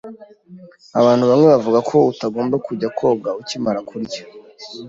Abantu bamwe bavuga ko utagomba kujya koga ukimara kurya.